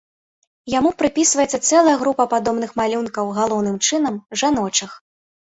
Яму прыпісваецца цэлая група падобных малюнкаў, галоўным чынам, жаночых.